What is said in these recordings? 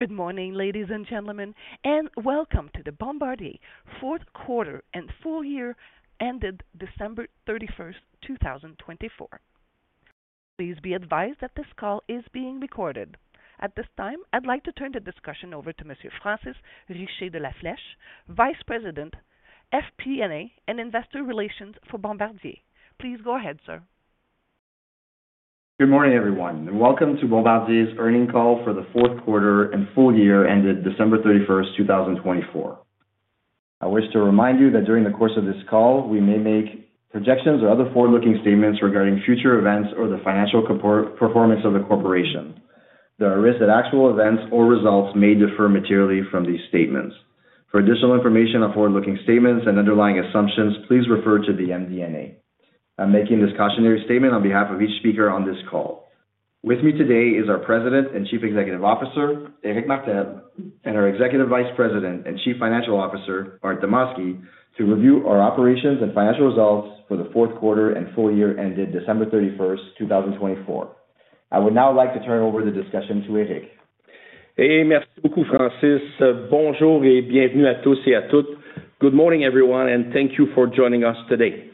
Good morning, ladies and gentlemen, and welcome to the Bombardier Eve Laurier fourth quarter and full year ended December 31st, 2024. Please be advised that this call is being recorded. At this time, I'd like to turn the discussion over to Mr. Francis Richer de La Fleche, Vice President, FP&A, and Investor Relations for Bombardier. Please go ahead, sir. Good morning, everyone, and welcome to Bombardier's earnings call for the fourth quarter and full year ended December 31st, 2024. I wish to remind you that during the course of this call, we may make projections or other forward-looking statements regarding future events or the financial performance of the corporation. There are risks that actual events or results may differ materially from these statements. For additional information on forward-looking statements and underlying assumptions, please refer to the MD&A. I'm making this cautionary statement on behalf of each speaker on this call. With me today is our President and Chief Executive Officer, Éric Martel, and our Executive Vice President and Chief Financial Officer, Bart Demosky, to review our operations and financial results for the fourth quarter and full year ended December 31st, 2024. I would now like to turn over the discussion to Éric. Et merci beaucoup, Francis. Bonjour et bienvenue à tous et à toutes. Good morning, everyone, and thank you for joining us today.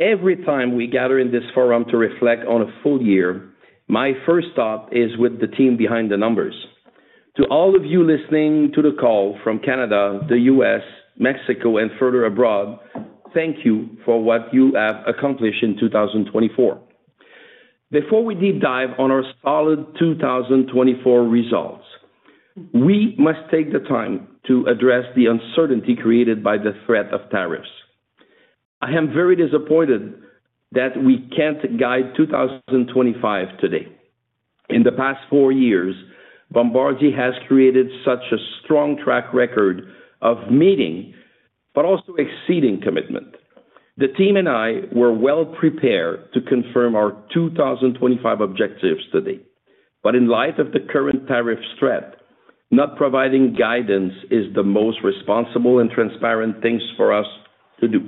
Every time we gather in this forum to reflect on a full year, my first thought is with the team behind the numbers. To all of you listening to the call from Canada, the U.S., Mexico, and further abroad, thank you for what you have accomplished in 2024. Before we deep dive on our solid 2024 results, we must take the time to address the uncertainty created by the threat of tariffs. I am very disappointed that we can't guide 2025 today. In the past four years, Bombardier has created such a strong track record of meeting, but also exceeding commitment. The team and I were well prepared to confirm our 2025 objectives today. But in light of the current tariffs threat, not providing guidance is the most responsible and transparent thing for us to do.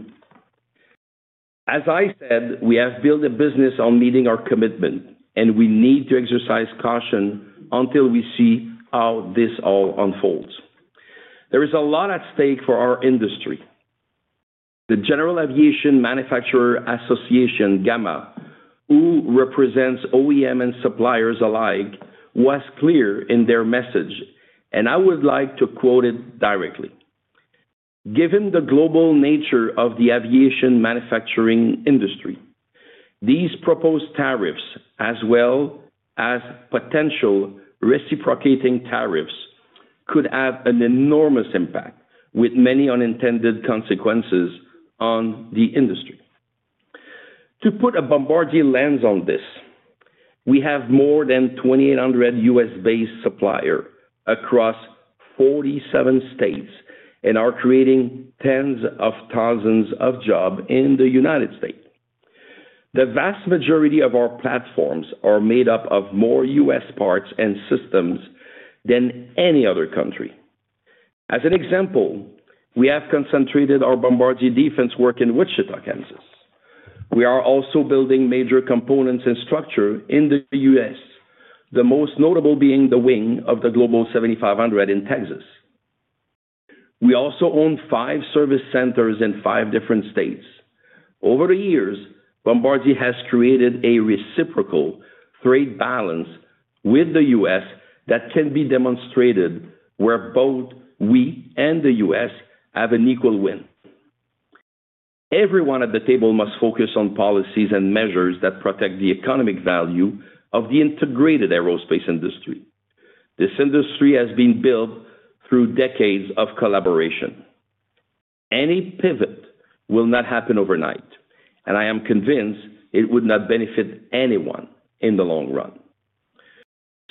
As I said, we have built a business on meeting our commitment, and we need to exercise caution until we see how this all unfolds. There is a lot at stake for our industry. The General Aviation Manufacturers Association, GAMA, who represents OEM and suppliers alike, was clear in their message, and I would like to quote it directly. Given the global nature of the aviation manufacturing industry, these proposed tariffs, as well as potential reciprocating tariffs, could have an enormous impact, with many unintended consequences on the industry. To put a Bombardier lens on this, we have more than 2,800 U.S.-based suppliers across 47 states and are creating tens of thousands of jobs in the United States. The vast majority of our platforms are made up of more U.S. parts and systems than any other country. As an example, we have concentrated our Bombardier defense work in Wichita, Kansas. We are also building major components and structures in the U.S., the most notable being the wing of the Global 7500 in Texas. We also own five service centers in five different states. Over the years, Bombardier has created a reciprocal trade balance with the U.S. that can be demonstrated where both we and the U.S. have an equal win. Everyone at the table must focus on policies and measures that protect the economic value of the integrated aerospace industry. This industry has been built through decades of collaboration. Any pivot will not happen overnight, and I am convinced it would not benefit anyone in the long run.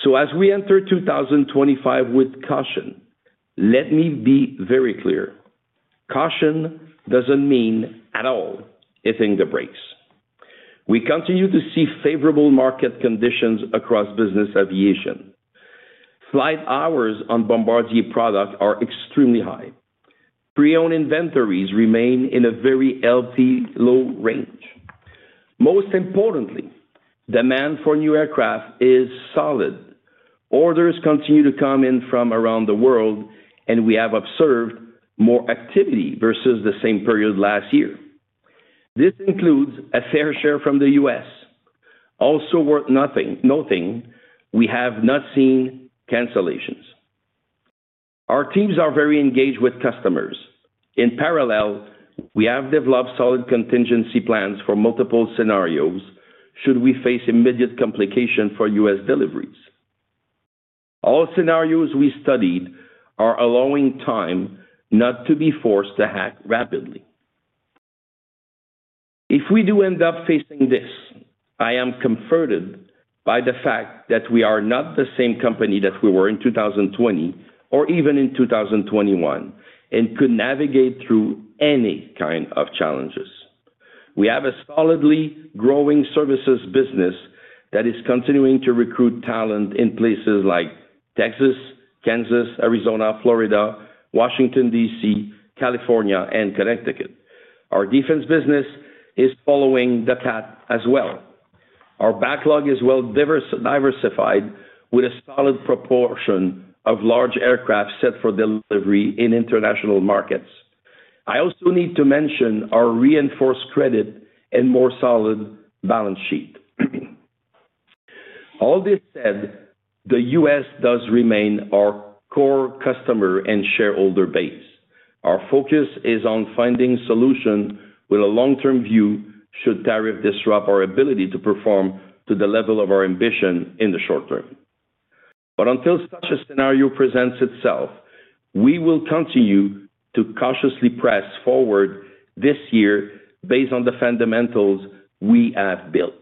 So, as we enter 2025 with caution, let me be very clear: caution doesn't mean at all hitting the brakes. We continue to see favorable market conditions across business aviation. Flight hours on Bombardier product are extremely high. Pre-owned inventories remain in a very healthy low range. Most importantly, demand for new aircraft is solid. Orders continue to come in from around the world, and we have observed more activity versus the same period last year. This includes a fair share from the U.S. Also worth noting, we have not seen cancellations. Our teams are very engaged with customers. In parallel, we have developed solid contingency plans for multiple scenarios should we face immediate complications for U.S. deliveries. All scenarios we studied are allowing time not to be forced to act rapidly. If we do end up facing this, I am comforted by the fact that we are not the same company that we were in 2020 or even in 2021 and could navigate through any kind of challenges. We have a solidly growing services business that is continuing to recruit talent in places like Texas, Kansas, Arizona, Florida, Washington, D.C., California, and Connecticut. Our defense business is following the path as well. Our backlog is well diversified with a solid proportion of large aircraft set for delivery in international markets. I also need to mention our reinforced credit and more solid balance sheet. All this said, the U.S. does remain our core customer and shareholder base. Our focus is on finding solutions with a long-term view should tariffs disrupt our ability to perform to the level of our ambition in the short term. But until such a scenario presents itself, we will continue to cautiously press forward this year based on the fundamentals we have built.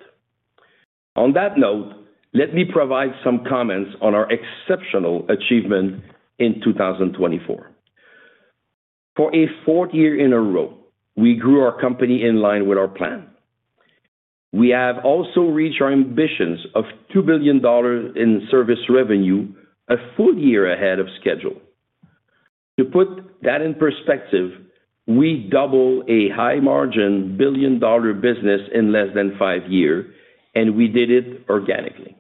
On that note, let me provide some comments on our exceptional achievement in 2024. For a fourth year in a row, we grew our company in line with our plan. We have also reached our ambitions of $2 billion in service revenue a full year ahead of schedule. To put that in perspective, we doubled a high-margin billion-dollar business in less than five years, and we did it organically.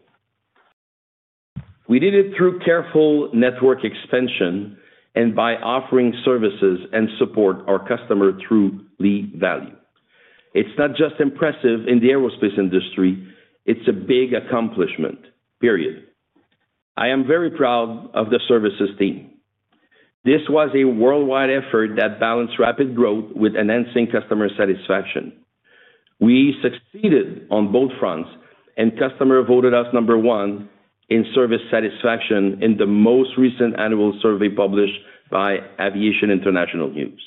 We did it through careful network expansion and by offering services and support to our customers through the value. It's not just impressive in the aerospace industry. It's a big accomplishment, period. I am very proud of the services team. This was a worldwide effort that balanced rapid growth with enhancing customer satisfaction. We succeeded on both fronts, and customers voted us number one in service satisfaction in the most recent annual survey published by Aviation International News.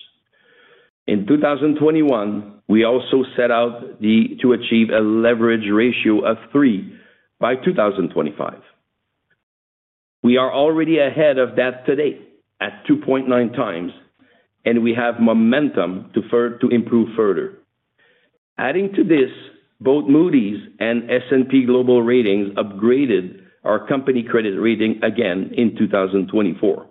In 2021, we also set out to achieve a leverage ratio of three by 2025. We are already ahead of that today at 2.9 times, and we have momentum to improve further. Adding to this, both Moody's and S&P Global Ratings upgraded our company credit rating again in 2024.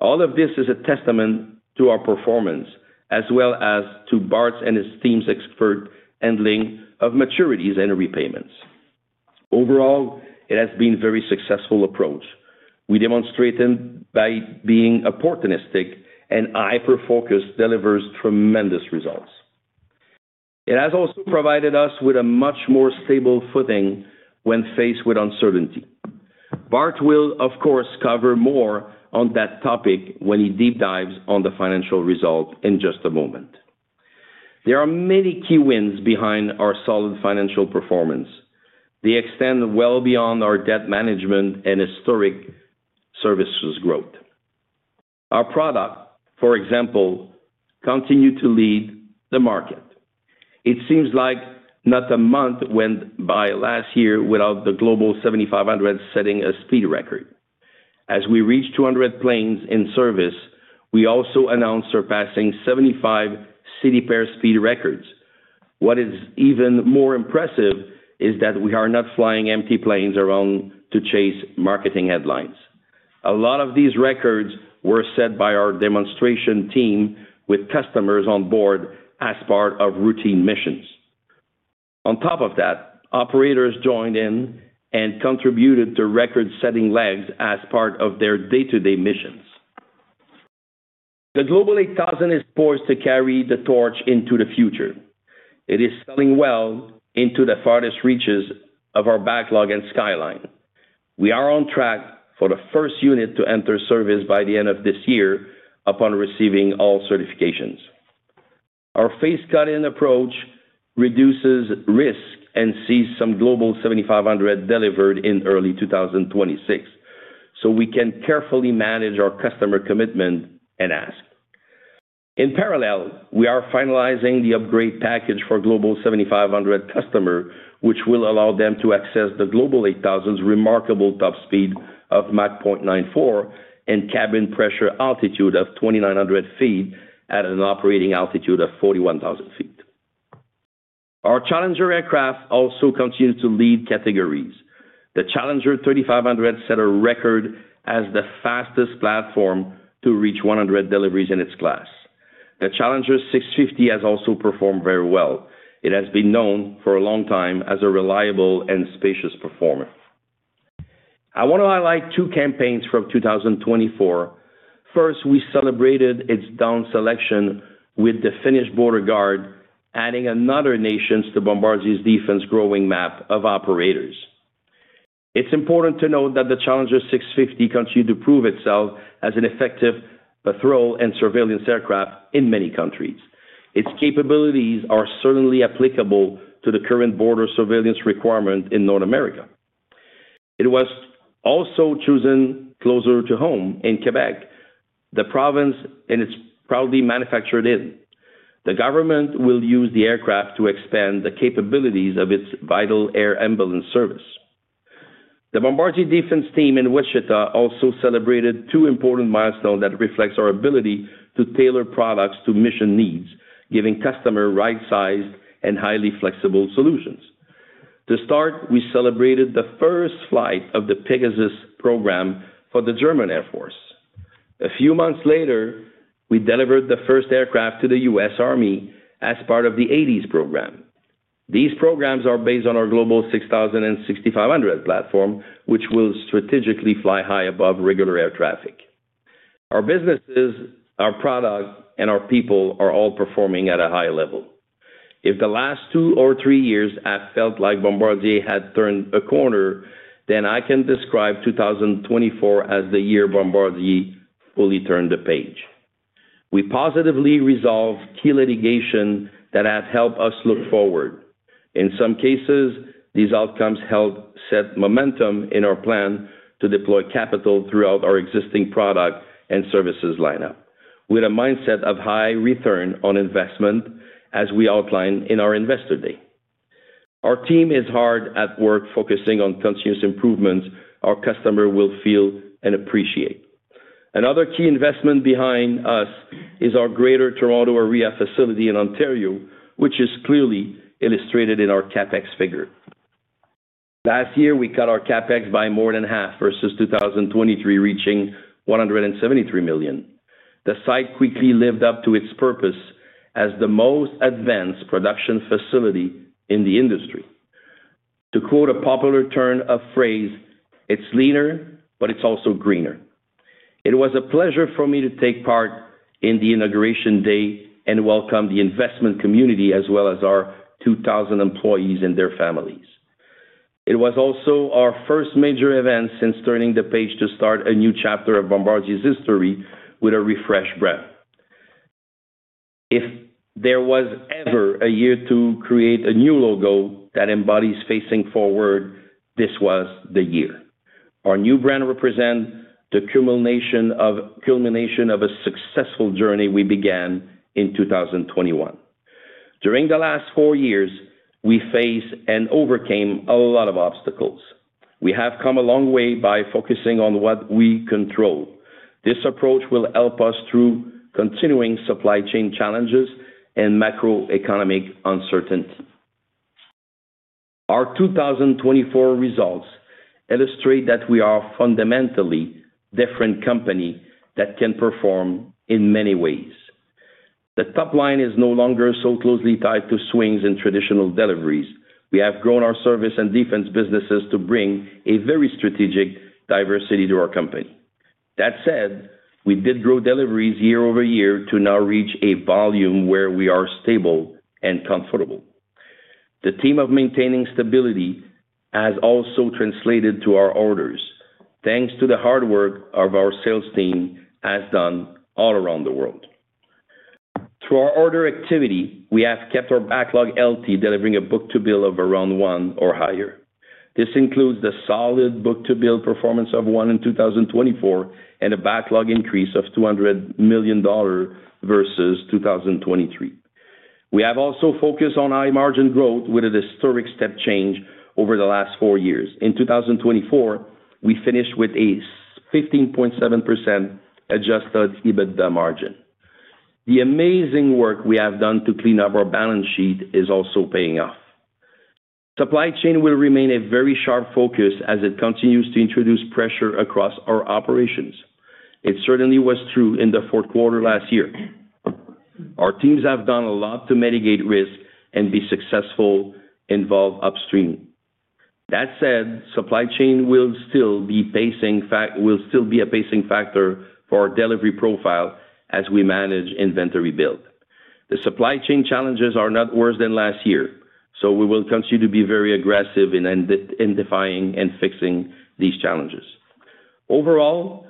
All of this is a testament to our performance, as well as to Bart's and his team's expert handling of maturities and repayments. Overall, it has been a very successful approach. We demonstrated by being opportunistic and hyper-focused delivered tremendous results. It has also provided us with a much more stable footing when faced with uncertainty. Bart will, of course, cover more on that topic when he deep dives on the financial result in just a moment. There are many key wins behind our solid financial performance. They extend well beyond our debt management and historic services growth. Our product, for example, continues to lead the market. It seems like not a month went by last year without the Global 7500 setting a speed record. As we reach 200 planes in service, we also announced surpassing 75 city-pair speed records. What is even more impressive is that we are not flying empty planes around to chase marketing headlines. A lot of these records were set by our demonstration team with customers on board as part of routine missions. On top of that, operators joined in and contributed to record-setting legs as part of their day-to-day missions. The Global 8000 is poised to carry the torch into the future. It is selling well into the farthest reaches of our backlog and skyline. We are on track for the first unit to enter service by the end of this year upon receiving all certifications. Our fast follower approach reduces risk and sees some Global 7500 delivered in early 2026, so we can carefully manage our customer commitment and ask. In parallel, we are finalizing the upgrade package for Global 7500 customers, which will allow them to access the Global 8000's remarkable top speed of Mach 0.94 and cabin pressure altitude of 2,900 feet at an operating altitude of 41,000 feet. Our Challenger aircraft also continues to lead categories. The Challenger 3500 set a record as the fastest platform to reach 100 deliveries in its class. The Challenger 650 has also performed very well. It has been known for a long time as a reliable and spacious performer. I want to highlight two campaigns from 2024. First, we celebrated its down selection with the Finnish Border Guard, adding another nation to Bombardier's defense growing map of operators. It's important to note that the Challenger 650 continues to prove itself as an effective patrol and surveillance aircraft in many countries. Its capabilities are certainly applicable to the current border surveillance requirement in North America. It was also chosen closer to home in Quebec, the province it is proudly manufactured in. The government will use the aircraft to expand the capabilities of its vital air ambulance service. The Bombardier defense team in Wichita also celebrated two important milestones that reflect our ability to tailor products to mission needs, giving customers right-sized and highly flexible solutions. To start, we celebrated the first flight of the Pegasus program for the German Air Force. A few months later, we delivered the first aircraft to the U.S. Army as part of the HADES program. These programs are based on our Global 6000 and 6500 platform, which will strategically fly high above regular air traffic. Our businesses, our product, and our people are all performing at a high level. If the last two or three years have felt like Bombardier had turned a corner, then I can describe 2024 as the year Bombardier fully turned the page. We positively resolved key litigation that has helped us look forward. In some cases, these outcomes helped set momentum in our plan to deploy capital throughout our existing product and services lineup, with a mindset of high return on investment, as we outlined in our Investor Day. Our team is hard at work, focusing on continuous improvements our customers will feel and appreciate. Another key investment behind us is our Greater Toronto Area facility in Ontario, which is clearly illustrated in our CapEx figure. Last year, we cut our CapEx by more than half versus 2023, reaching $173 million. The site quickly lived up to its purpose as the most advanced production facility in the industry. To quote a popular phrase, it's leaner, but it's also greener. It was a pleasure for me to take part in the inauguration day and welcome the investment community as well as our 2,000 employees and their families. It was also our first major event since turning the page to start a new chapter of Bombardier's history with a refreshed brand. If there was ever a year to create a new logo that embodies facing forward, this was the year. Our new brand represents the culmination of a successful journey we began in 2021. During the last four years, we faced and overcame a lot of obstacles. We have come a long way by focusing on what we control. This approach will help us through continuing supply chain challenges and macroeconomic uncertainty. Our 2024 results illustrate that we are a fundamentally different company that can perform in many ways. The top line is no longer so closely tied to swings in traditional deliveries. We have grown our service and defense businesses to bring a very strategic diversity to our company. That said, we did grow deliveries year over year to now reach a volume where we are stable and comfortable. The theme of maintaining stability has also translated to our orders, thanks to the hard work of our sales team has done all around the world. Through our order activity, we have kept our backlog healthy, delivering a book-to-bill of around one or higher. This includes the solid book-to-bill performance of one in 2024 and a backlog increase of $200 million versus 2023. We have also focused on high-margin growth with a historic step change over the last four years. In 2024, we finished with a 15.7% adjusted EBITDA margin. The amazing work we have done to clean up our balance sheet is also paying off. Supply chain will remain a very sharp focus as it continues to introduce pressure across our operations. It certainly was true in the fourth quarter last year. Our teams have done a lot to mitigate risk and be successful in both upstream. That said, supply chain will still be a pacing factor for our delivery profile as we manage inventory build. The supply chain challenges are not worse than last year, so we will continue to be very aggressive in identifying and fixing these challenges. Overall,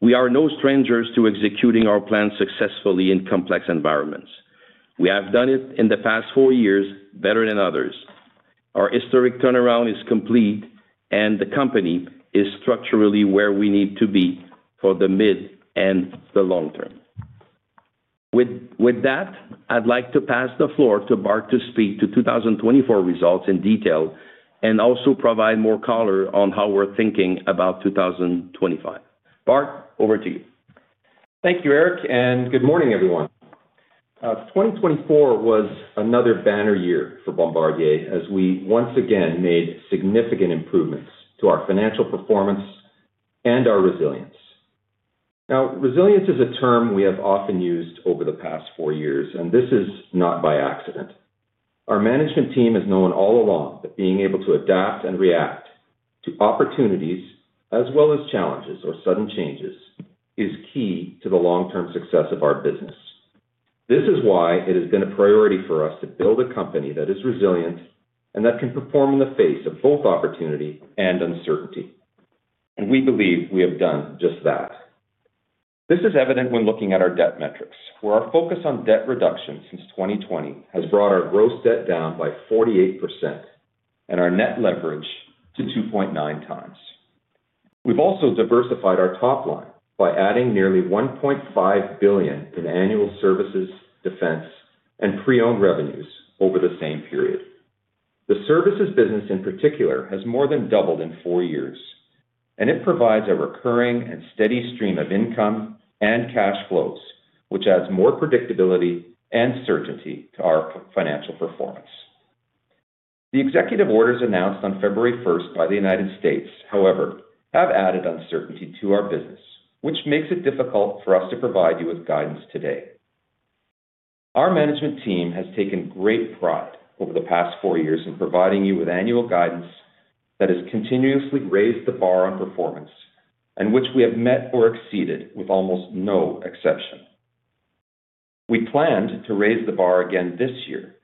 we are no strangers to executing our plans successfully in complex environments. We have done it in the past four years better than others. Our historic turnaround is complete, and the company is structurally where we need to be for the mid and the long term. With that, I'd like to pass the floor to Bart to speak to 2024 results in detail and also provide more color on how we're thinking about 2025. Bart, over to you. Thank you, Éric, and good morning, everyone. 2024 was another banner year for Bombardier as we once again made significant improvements to our financial performance and our resilience. Now, resilience is a term we have often used over the past four years, and this is not by accident. Our management team has known all along that being able to adapt and react to opportunities as well as challenges or sudden changes is key to the long-term success of our business. This is why it has been a priority for us to build a company that is resilient and that can perform in the face of both opportunity and uncertainty. And we believe we have done just that. This is evident when looking at our debt metrics, where our focus on debt reduction since 2020 has brought our gross debt down by 48% and our net leverage to 2.9 times. We've also diversified our top line by adding nearly $1.5 billion in annual services, defense, and pre-owned revenues over the same period. The services business, in particular, has more than doubled in four years, and it provides a recurring and steady stream of income and cash flows, which adds more predictability and certainty to our financial performance. The executive orders announced on February 1 by the United States, however, have added uncertainty to our business, which makes it difficult for us to provide you with guidance today. Our management team has taken great pride over the past four years in providing you with annual guidance that has continuously raised the bar on performance and which we have met or exceeded with almost no exception. We planned to raise the bar again this year,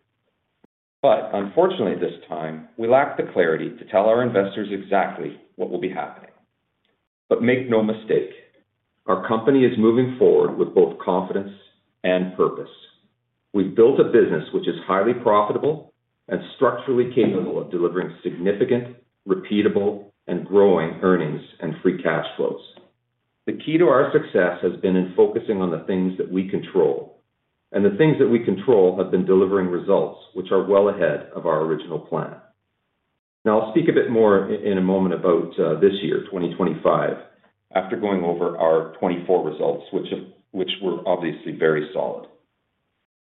but unfortunately, this time, we lack the clarity to tell our investors exactly what will be happening. But make no mistake, our company is moving forward with both confidence and purpose. We've built a business which is highly profitable and structurally capable of delivering significant, repeatable, and growing earnings and free cash flows. The key to our success has been in focusing on the things that we control, and the things that we control have been delivering results which are well ahead of our original plan. Now, I'll speak a bit more in a moment about this year, 2025, after going over our 2024 results, which were obviously very solid.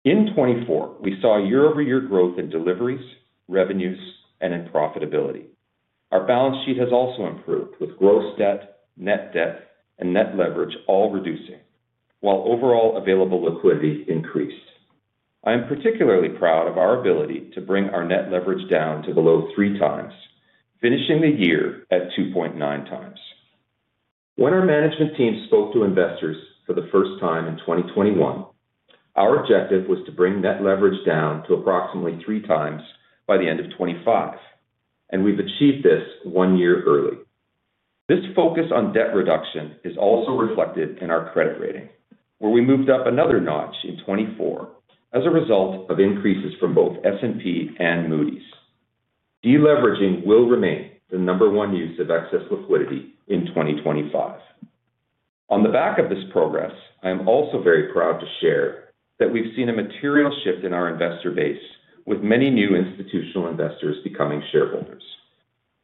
In 2024, we saw year-over-year growth in deliveries, revenues, and in profitability. Our balance sheet has also improved, with gross debt, net debt, and net leverage all reducing, while overall available liquidity increased. I am particularly proud of our ability to bring our net leverage down to below three times, finishing the year at 2.9 times. When our management team spoke to investors for the first time in 2021, our objective was to bring net leverage down to approximately three times by the end of 2025, and we've achieved this one year early. This focus on debt reduction is also reflected in our credit rating, where we moved up another notch in 2024 as a result of increases from both S&P and Moody's. Deleveraging will remain the number one use of excess liquidity in 2025. On the back of this progress, I am also very proud to share that we've seen a material shift in our investor base, with many new institutional investors becoming shareholders.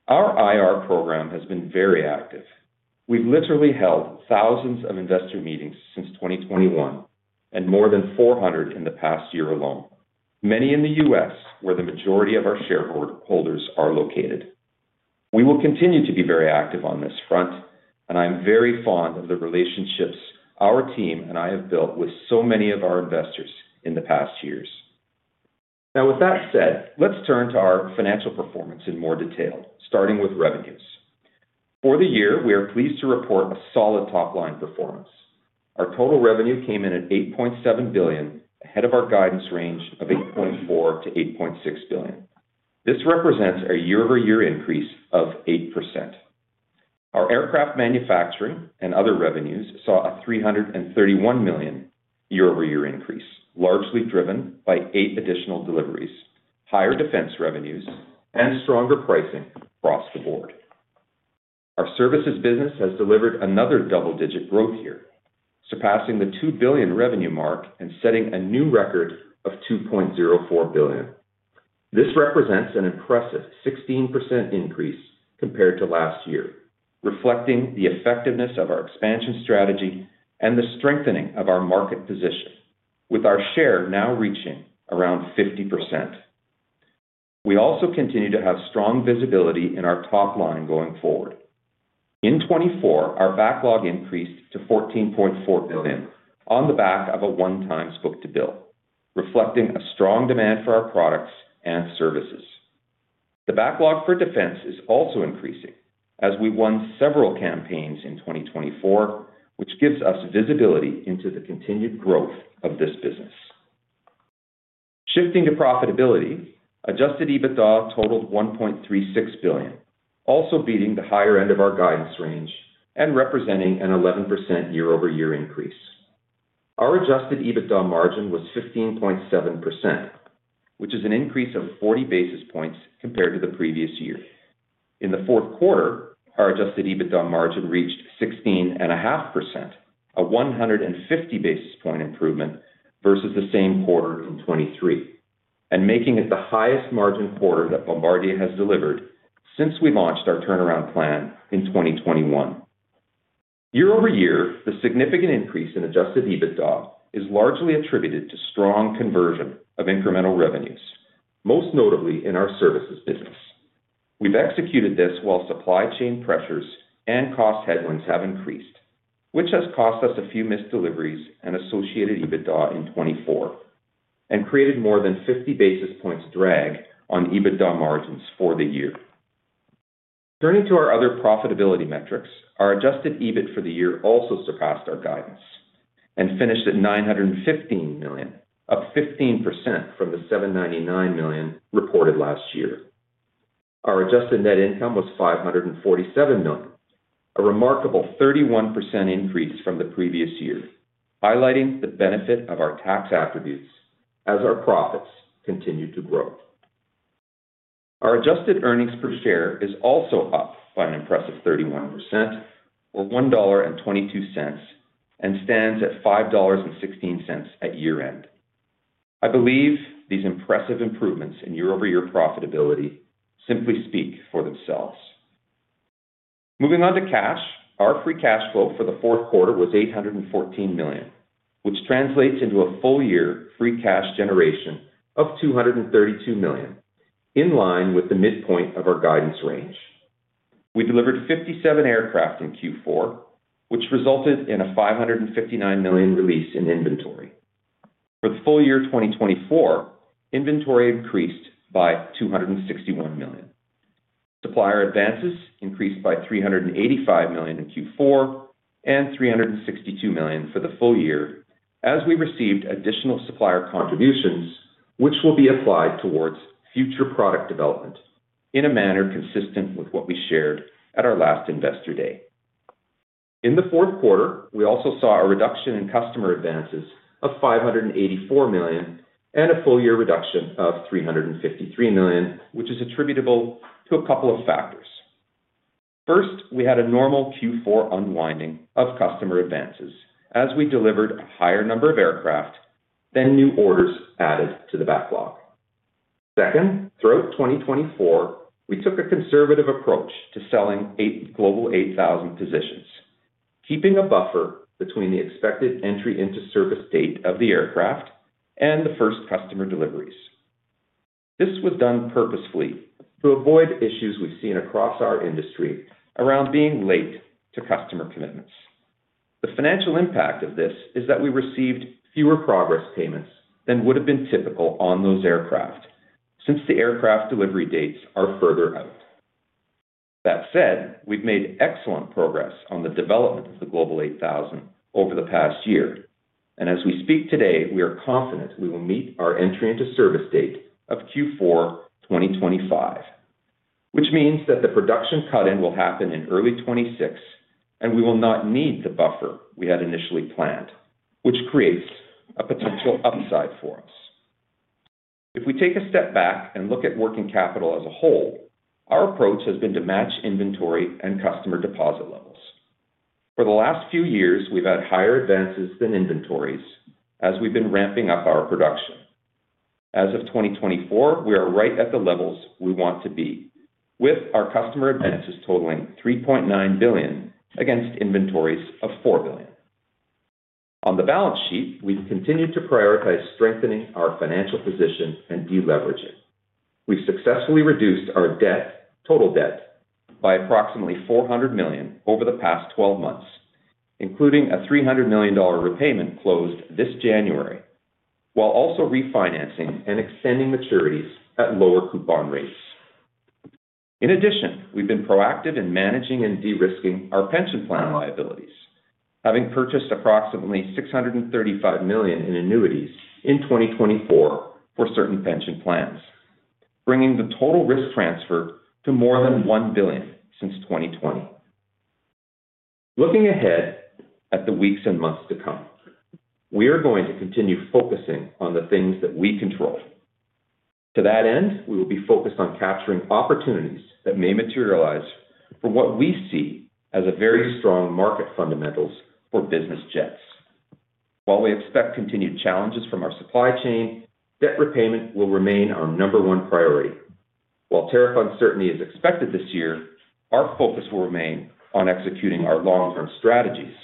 Our IR program has been very active. We've literally held thousands of investor meetings since 2021 and more than 400 in the past year alone, many in the U.S. where the majority of our shareholders are located. We will continue to be very active on this front, and I am very fond of the relationships our team and I have built with so many of our investors in the past years. Now, with that said, let's turn to our financial performance in more detail, starting with revenues. For the year, we are pleased to report a solid top-line performance. Our total revenue came in at $8.7 billion, ahead of our guidance range of $8.4-$8.6 billion. This represents a year-over-year increase of 8%. Our aircraft manufacturing and other revenues saw a $331 million year-over-year increase, largely driven by eight additional deliveries, higher defense revenues, and stronger pricing across the board. Our services business has delivered another double-digit growth year, surpassing the $2 billion revenue mark and setting a new record of $2.04 billion. This represents an impressive 16% increase compared to last year, reflecting the effectiveness of our expansion strategy and the strengthening of our market position, with our share now reaching around 50%. We also continue to have strong visibility in our top line going forward. In 2024, our backlog increased to $14.4 billion on the back of a one-time book-to-bill, reflecting a strong demand for our products and services. The backlog for defense is also increasing as we won several campaigns in 2024, which gives us visibility into the continued growth of this business. Shifting to profitability, adjusted EBITDA totaled $1.36 billion, also beating the higher end of our guidance range and representing an 11% year-over-year increase. Our adjusted EBITDA margin was 15.7%, which is an increase of 40 basis points compared to the previous year. In the fourth quarter, our adjusted EBITDA margin reached 16.5%, a 150 basis point improvement versus the same quarter in 2023, and making it the highest margin quarter that Bombardier has delivered since we launched our turnaround plan in 2021. Year-over-year, the significant increase in adjusted EBITDA is largely attributed to strong conversion of incremental revenues, most notably in our services business. We've executed this while supply chain pressures and cost headwinds have increased, which has cost us a few missed deliveries and associated EBITDA in 2024 and created more than 50 basis points drag on EBITDA margins for the year. Turning to our other profitability metrics, our adjusted EBIT for the year also surpassed our guidance and finished at $915 million, up 15% from the $799 million reported last year. Our adjusted net income was $547 million, a remarkable 31% increase from the previous year, highlighting the benefit of our tax attributes as our profits continue to grow. Our adjusted earnings per share is also up by an impressive 31%, or $1.22, and stands at $5.16 at year-end. I believe these impressive improvements in year-over-year profitability simply speak for themselves. Moving on to cash, our free cash flow for the fourth quarter was $814 million, which translates into a full-year free cash generation of $232 million, in line with the midpoint of our guidance range. We delivered 57 aircraft in Q4, which resulted in a $559 million release in inventory. For the full year 2024, inventory increased by $261 million. Supplier advances increased by $385 million in Q4 and $362 million for the full year as we received additional supplier contributions, which will be applied towards future product development in a manner consistent with what we shared at our last investor day. In the fourth quarter, we also saw a reduction in customer advances of $584 million and a full-year reduction of $353 million, which is attributable to a couple of factors. First, we had a normal Q4 unwinding of customer advances as we delivered a higher number of aircraft than new orders added to the backlog. Second, throughout 2024, we took a conservative approach to selling Global 8000 positions, keeping a buffer between the expected entry into service date of the aircraft and the first customer deliveries. This was done purposefully to avoid issues we've seen across our industry around being late to customer commitments. The financial impact of this is that we received fewer progress payments than would have been typical on those aircraft since the aircraft delivery dates are further out. That said, we've made excellent progress on the development of the Global 8000 over the past year, and as we speak today, we are confident we will meet our entry into service date of Q4 2025, which means that the production cut-in will happen in early 2026, and we will not need the buffer we had initially planned, which creates a potential upside for us. If we take a step back and look at working capital as a whole, our approach has been to match inventory and customer deposit levels. For the last few years, we've had higher advances than inventories as we've been ramping up our production. As of 2024, we are right at the levels we want to be, with our customer advances totaling $3.9 billion against inventories of $4 billion. On the balance sheet, we've continued to prioritize strengthening our financial position and deleveraging. We've successfully reduced our total debt by approximately $400 million over the past 12 months, including a $300 million repayment closed this January, while also refinancing and extending maturities at lower coupon rates. In addition, we've been proactive in managing and de-risking our pension plan liabilities, having purchased approximately $635 million in annuities in 2024 for certain pension plans, bringing the total risk transfer to more than $1 billion since 2020. Looking ahead at the weeks and months to come, we are going to continue focusing on the things that we control. To that end, we will be focused on capturing opportunities that may materialize for what we see as very strong market fundamentals for business jets. While we expect continued challenges from our supply chain, debt repayment will remain our number one priority. While tariff uncertainty is expected this year, our focus will remain on executing our long-term strategies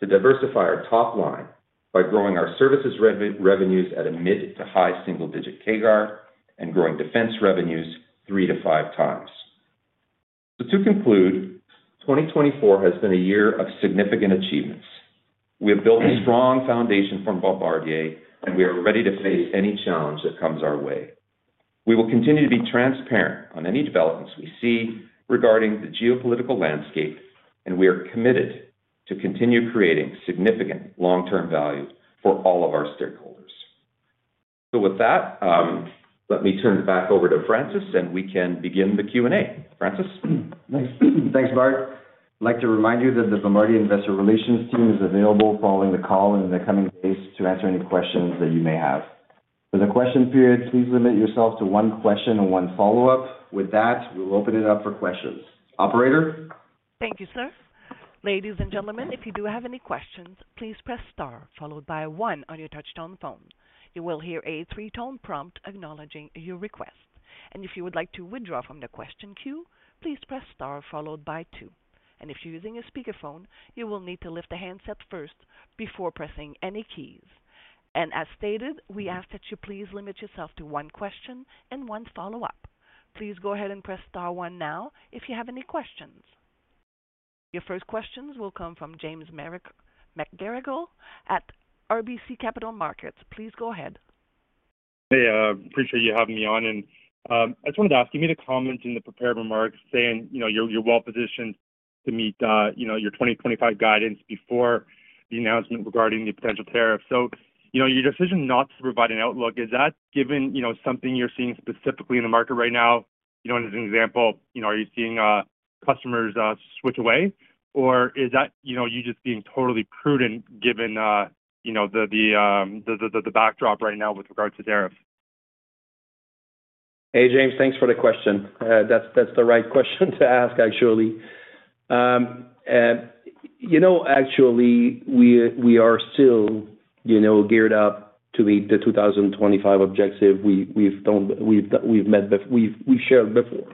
to diversify our top line by growing our services revenues at a mid to high single-digit CAGR and growing defense revenues three to five times. So, to conclude, 2024 has been a year of significant achievements. We have built a strong foundation from Bombardier, and we are ready to face any challenge that comes our way. We will continue to be transparent on any developments we see regarding the geopolitical landscape, and we are committed to continue creating significant long-term value for all of our stakeholders. With that, let me turn it back over to Francis, and we can begin the Q&A. Francis? Thanks, Bart. I'd like to remind you that the Bombardier Investor Relations team is available following the call in the coming days to answer any questions that you may have. For the question period, please limit yourself to one question and one follow-up. With that, we will open it up for questions. Operator? Thank you, sir. Ladies and gentlemen, if you do have any questions, please press star followed by one on your touch-tone phone. You will hear a three-tone prompt acknowledging your request. And if you would like to withdraw from the question queue, please press star followed by two. And if you're using a speakerphone, you will need to lift the handset first before pressing any keys. And as stated, we ask that you please limit yourself to one question and one follow-up. Please go ahead and press star one now if you have any questions. Your first questions will come from James McGarragle at RBC Capital Markets. Please go ahead. Hey, I appreciate you having me on, and I just wanted to ask you to comment in the prepared remarks saying you're well-positioned to meet your 2025 guidance before the announcement regarding the potential tariff. So, your decision not to provide an outlook, is that given something you're seeing specifically in the market right now? As an example, are you seeing customers switch away, or is that you just being totally prudent given the backdrop right now with regard to tariffs? Hey, James, thanks for the question. That's the right question to ask, actually. Actually, we are still geared up to meet the 2025 objective we've shared before.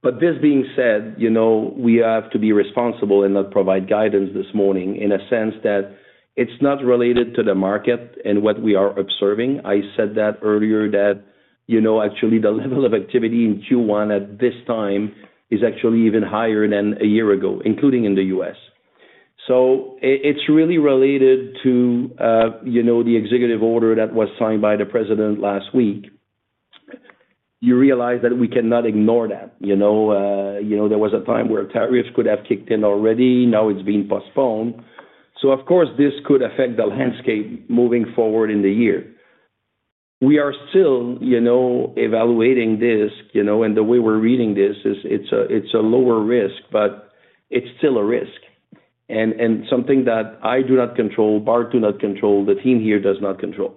But this being said, we have to be responsible and not provide guidance this morning in a sense that it's not related to the market and what we are observing. I said that earlier that actually the level of activity in Q1 at this time is actually even higher than a year ago, including in the U.S. So, it's really related to the executive order that was signed by the president last week. You realize that we cannot ignore that. There was a time where tariffs could have kicked in already. Now it's being postponed. So, of course, this could affect the landscape moving forward in the year. We are still evaluating this, and the way we're reading this is it's a lower risk, but it's still a risk and something that I do not control, Bart does not control, the team here does not control.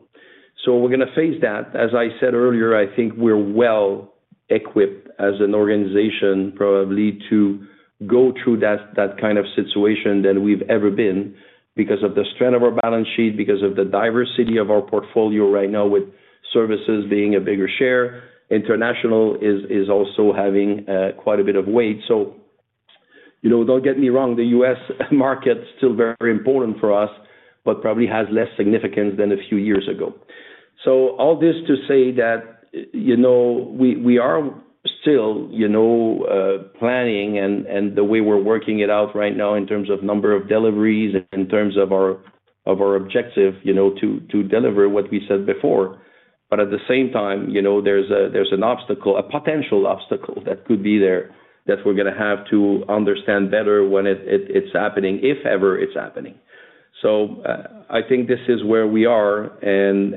So, we're going to face that. As I said earlier, I think we're well-equipped as an organization probably to go through that kind of situation than we've ever been because of the strength of our balance sheet, because of the diversity of our portfolio right now with services being a bigger share. International is also having quite a bit of weight. So, don't get me wrong, the U.S. market is still very important for us, but probably has less significance than a few years ago. So, all this to say that we are still planning and the way we're working it out right now in terms of number of deliveries and in terms of our objective to deliver what we said before. But at the same time, there's an obstacle, a potential obstacle that could be there that we're going to have to understand better when it's happening, if ever it's happening. So, I think this is where we are, and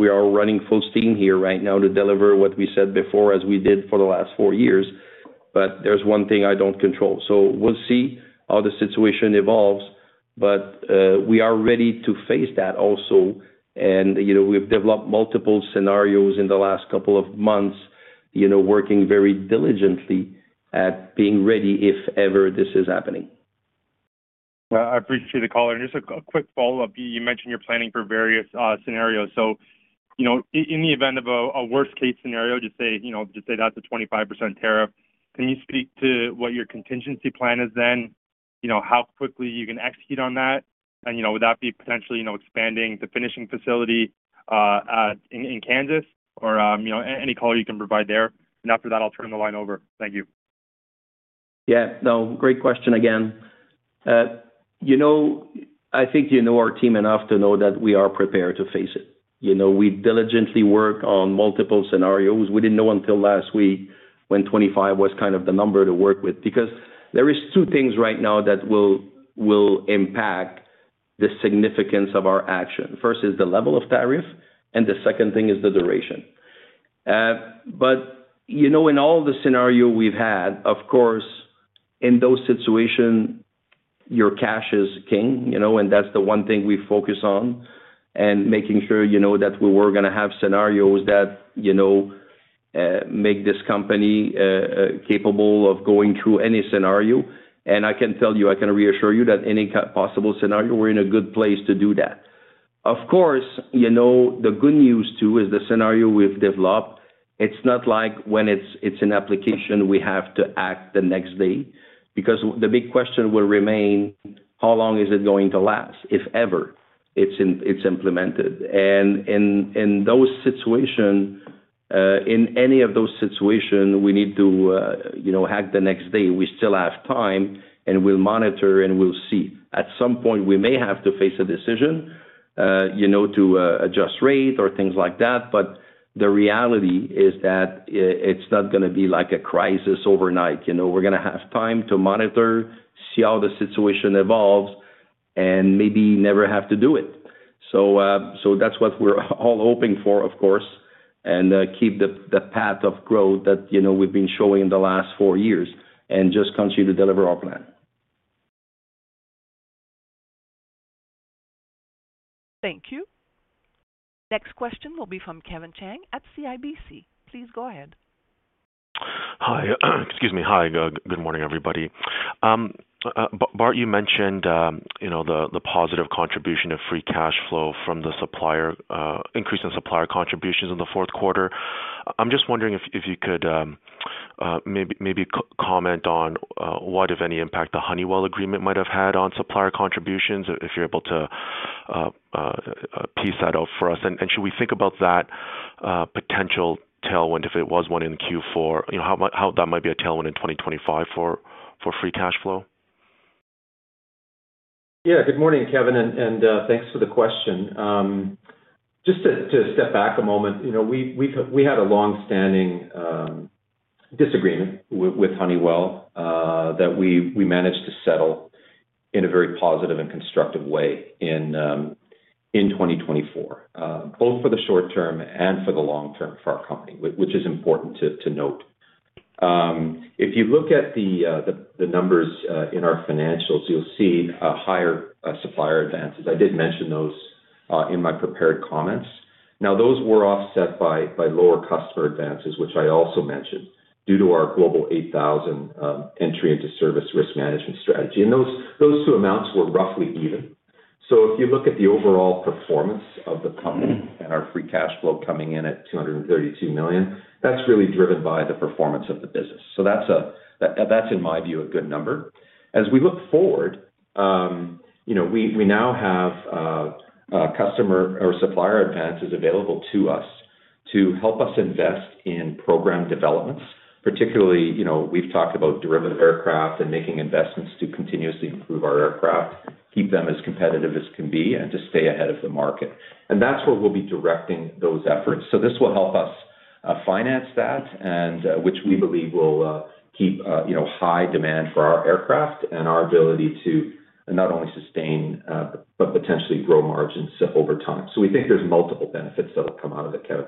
we are running full steam here right now to deliver what we said before as we did for the last four years. But there's one thing I don't control. So, we'll see how the situation evolves, but we are ready to face that also. And we've developed multiple scenarios in the last couple of months, working very diligently at being ready if ever this is happening. I appreciate the call. Just a quick follow-up. You mentioned you're planning for various scenarios. In the event of a worst-case scenario, just say that's a 25% tariff. Can you speak to what your contingency plan is then, how quickly you can execute on that? Would that be potentially expanding the finishing facility in Kansas or any color you can provide there? After that, I'll turn the line over. Thank you. Yeah. No, great question again. I think you know our team enough to know that we are prepared to face it. We diligently work on multiple scenarios. We didn't know until last week when 25 was kind of the number to work with because there are two things right now that will impact the significance of our action. First is the level of tariff, and the second thing is the duration. But in all the scenarios we've had, of course, in those situations, your cash is king, and that's the one thing we focus on and making sure that we're going to have scenarios that make this company capable of going through any scenario. And I can tell you, I can reassure you that any possible scenario, we're in a good place to do that. Of course, the good news too is the scenario we've developed. It's not like when it's an application we have to act the next day because the big question will remain how long is it going to last if ever it's implemented, and in those situations, in any of those situations, we need to act the next day. We still have time, and we'll monitor, and we'll see. At some point, we may have to face a decision to adjust rate or things like that. But the reality is that it's not going to be like a crisis overnight. We're going to have time to monitor, see how the situation evolves, and maybe never have to do it, so that's what we're all hoping for, of course, and keep the path of growth that we've been showing in the last four years and just continue to deliver our plan. Thank you. Next question will be from Kevin Chiang at CIBC. Please go ahead. Hi. Excuse me. Hi. Good morning, everybody. Bart, you mentioned the positive contribution of free cash flow from the supplier, increase in supplier contributions in the fourth quarter. I'm just wondering if you could maybe comment on what, if any, impact the Honeywell agreement might have had on supplier contributions, if you're able to piece that out for us. And should we think about that potential tailwind, if it was one in Q4, how that might be a tailwind in 2025 for free cash flow? Yeah. Good morning, Kevin, and thanks for the question. Just to step back a moment, we had a long-standing disagreement with Honeywell that we managed to settle in a very positive and constructive way in 2024, both for the short term and for the long term for our company, which is important to note. If you look at the numbers in our financials, you'll see higher supplier advances. I did mention those in my prepared comments. Now, those were offset by lower customer advances, which I also mentioned due to our Global 8000 entry into service risk management strategy, and those two amounts were roughly even, so if you look at the overall performance of the company and our free cash flow coming in at $232 million, that's really driven by the performance of the business, so that's, in my view, a good number. As we look forward, we now have customer or supplier advances available to us to help us invest in program developments, particularly we've talked about derivative aircraft and making investments to continuously improve our aircraft, keep them as competitive as can be, and to stay ahead of the market, and that's where we'll be directing those efforts, so this will help us finance that, which we believe will keep high demand for our aircraft and our ability to not only sustain but potentially grow margins over time, so we think there's multiple benefits that will come out of it, Kevin.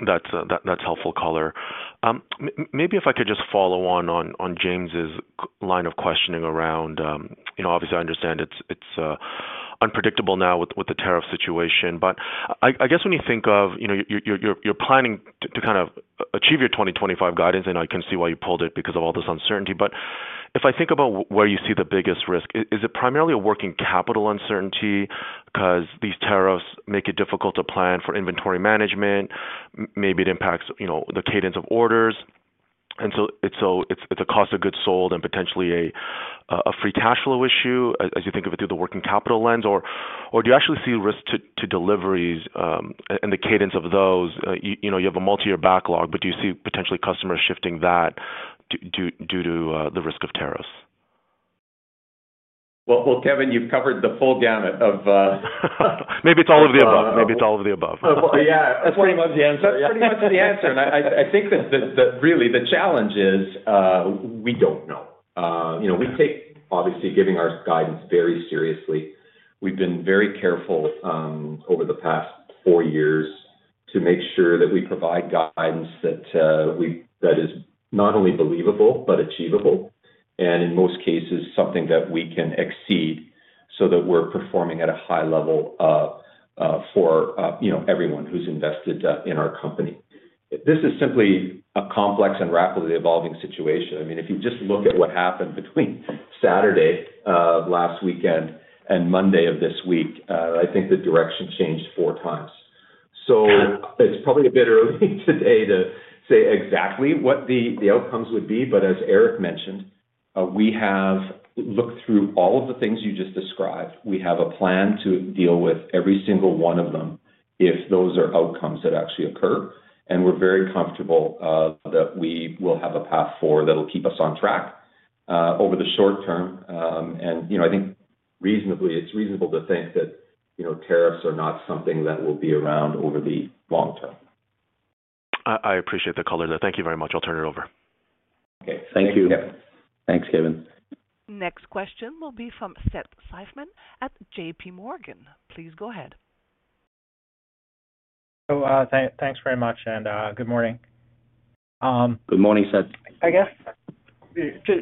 That's helpful, Caller. Maybe if I could just follow on James's line of questioning around, obviously, I understand it's unpredictable now with the tariff situation. But I guess when you're planning to kind of achieve your 2025 guidance, and I can see why you pulled it because of all this uncertainty. But if I think about where you see the biggest risk, is it primarily a working capital uncertainty because these tariffs make it difficult to plan for inventory management? Maybe it impacts the cadence of orders. And so, it's a cost of goods sold and potentially a free cash flow issue as you think of it through the working capital lens? Or do you actually see risk to deliveries and the cadence of those? You have a multi-year backlog, but do you see potentially customers shifting that due to the risk of tariffs? Kevin, you've covered the full gamut of. Maybe it's all of the above. Yeah. That's pretty much the answer. And I think that really the challenge is we don't know. We take, obviously, giving our guidance very seriously. We've been very careful over the past four years to make sure that we provide guidance that is not only believable but achievable and, in most cases, something that we can exceed so that we're performing at a high level for everyone who's invested in our company. This is simply a complex and rapidly evolving situation. I mean, if you just look at what happened between Saturday of last weekend and Monday of this week, I think the direction changed four times. So, it's probably a bit early today to say exactly what the outcomes would be. But as Éric mentioned, we have looked through all of the things you just described. We have a plan to deal with every single one of them if those are outcomes that actually occur. And we're very comfortable that we will have a path forward that will keep us on track over the short term. And I think reasonably, it's reasonable to think that tariffs are not something that will be around over the long term. I appreciate the color there. Thank you very much. I'll turn it over. Okay. Thank you. Thanks, Kevin. Next question will be from Seth Seifman at J.P. Morgan. Please go ahead. Thanks very much. Good morning. Good morning, Seth. I guess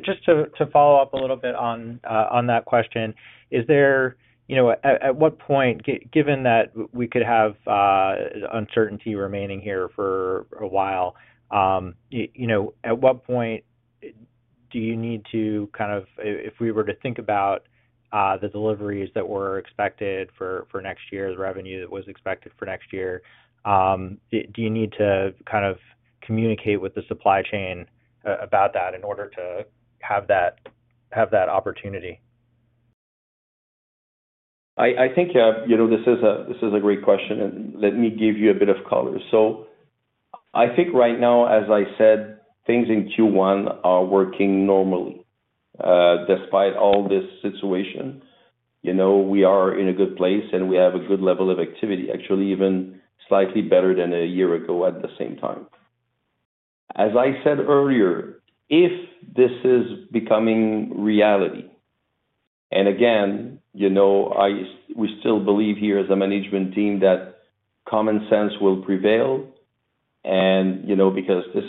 just to follow up a little bit on that question, is there, at what point, given that we could have uncertainty remaining here for a while, at what point do you need to kind of, if we were to think about the deliveries that were expected for next year's revenue that was expected for next year, do you need to kind of communicate with the supply chain about that in order to have that opportunity? I think this is a great question, and let me give you a bit of color, so I think right now, as I said, things in Q1 are working normally despite all this situation. We are in a good place, and we have a good level of activity, actually even slightly better than a year ago at the same time. As I said earlier, if this is becoming reality, and again, we still believe here as a management team that common sense will prevail because this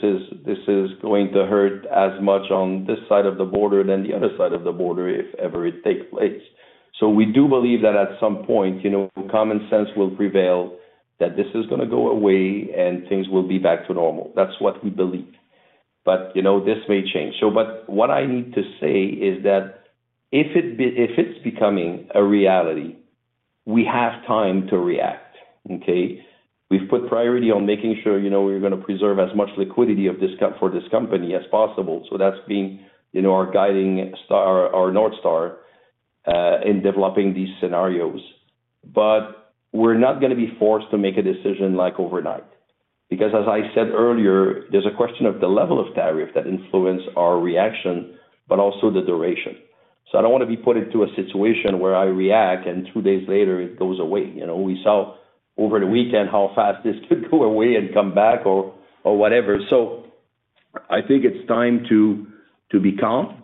is going to hurt as much on this side of the border than the other side of the border if ever it takes place, so we do believe that at some point, common sense will prevail, that this is going to go away, and things will be back to normal. That's what we believe, but this may change. But what I need to say is that if it's becoming a reality, we have time to react. Okay? We've put priority on making sure we're going to preserve as much liquidity for this company as possible. So, that's been our guiding star, our North Star in developing these scenarios. But we're not going to be forced to make a decision overnight because, as I said earlier, there's a question of the level of tariff that influences our reaction, but also the duration. So, I don't want to be put into a situation where I react, and two days later, it goes away. We saw over the weekend how fast this could go away and come back or whatever. So, I think it's time to be calm.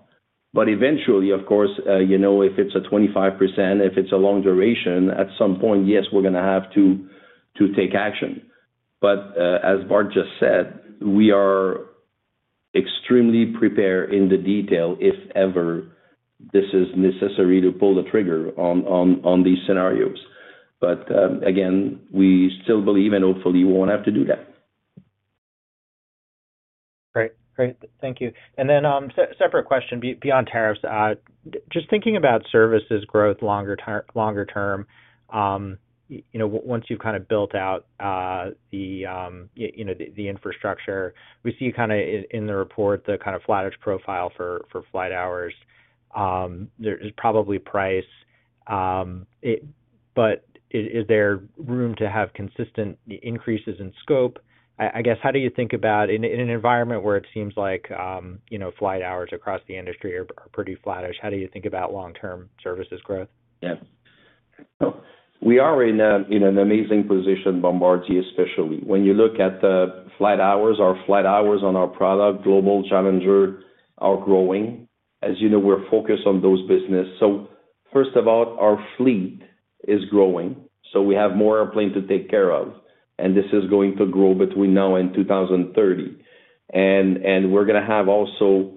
But eventually, of course, if it's a 25%, if it's a long duration, at some point, yes, we're going to have to take action. But as Bart just said, we are extremely prepared in the detail if ever this is necessary to pull the trigger on these scenarios. But again, we still believe and hopefully we won't have to do that. Great. Great. Thank you. And then separate question beyond tariffs. Just thinking about services growth longer term, once you've kind of built out the infrastructure, we see kind of in the report the kind of flat edge profile for flight hours. There is probably price, but is there room to have consistent increases in scope? I guess, how do you think about in an environment where it seems like flight hours across the industry are pretty flat-ish, how do you think about long-term services growth? Yeah. We are in an amazing position, Bombardier, especially. When you look at the flight hours, our flight hours on our product, Global Challenger, are growing. As you know, we're focused on those businesses. So, first of all, our fleet is growing. So, we have more airplane to take care of, and this is going to grow between now and 2030. And we're going to have also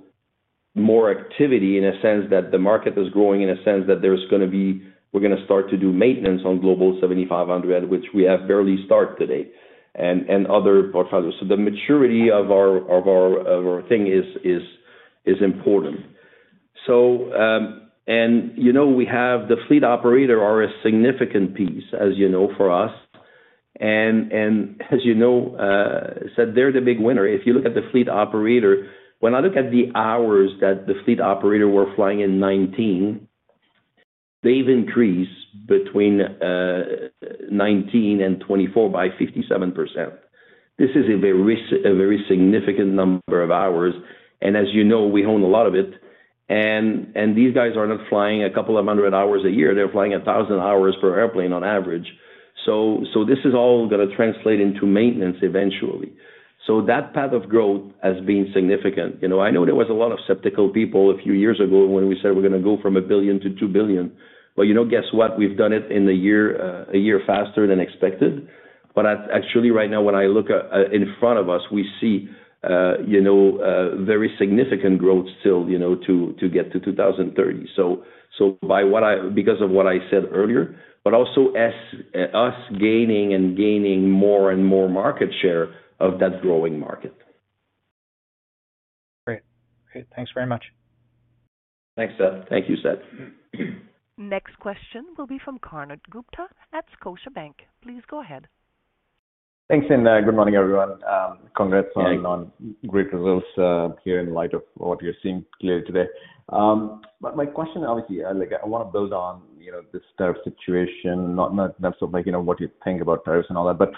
more activity in a sense that the market is growing in a sense that there's going to be we're going to start to do maintenance on Global 7500, which we have barely started today, and other portfolios. So, the maturity of our thing is important. And we have the fleet operator are a significant piece, as you know, for us. And as you know, Seth, they're the big winner. If you look at the fleet operator, when I look at the hours that the fleet operator were flying in 2019, they've increased between 2019 and 2024 by 57%. This is a very significant number of hours, and as you know, we own a lot of it, and these guys are not flying a couple of hundred hours a year. They're flying 1,000 hours per airplane on average, so this is all going to translate into maintenance eventually, so that path of growth has been significant. I know there was a lot of skeptical people a few years ago when we said we're going to go from $1 billion to $2 billion, well, guess what? We've done it a year faster than expected, but actually, right now, when I look in front of us, we see very significant growth still to get to 2030. So, because of what I said earlier, but also us gaining and gaining more and more market share of that growing market. Great. Great. Thanks very much. Thanks, Seth. Thank you, Seth. Next question will be from Konark Gupta at Scotiabank. Please go ahead. Thanks. And good morning, everyone. Congrats on great results here in light of what you're seeing clearly today. My question, obviously, I want to build on this tariff situation, not so much what you think about tariffs and all that. But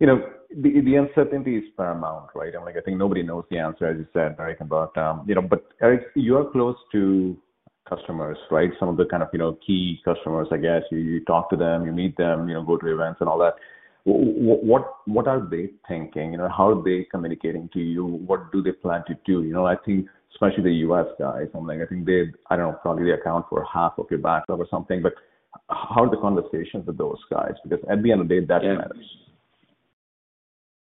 the uncertainty is paramount, right? I think nobody knows the answer, as you said, Éric, but you are close to customers, right? Some of the kind of key customers, I guess. You talk to them, you meet them, go to events and all that. What are they thinking? How are they communicating to you? What do they plan to do? I think, especially the U.S. guys, I think they I don't know, probably they account for half of your backlog or something. But how are the conversations with those guys? Because at the end of the day, that matters.